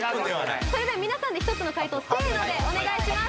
皆さんで１つの解答せの！でお願いします。